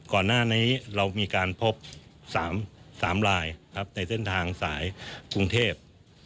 ก่อนหน้านี้เรามีการพบ๓ลายในเส้นทางสายกรุงเทพ